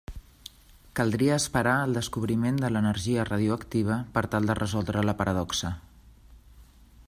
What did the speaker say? Caldria esperar al descobriment de l'energia radioactiva per tal de resoldre la paradoxa.